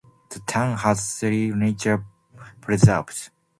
The town has three nature preserves.